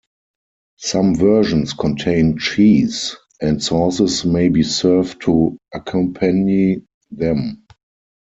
Some versions contain cheese, and sauces may be served to accompany them.